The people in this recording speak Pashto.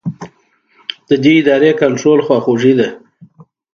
د دې ارادې کنټرول خواخوږي ده.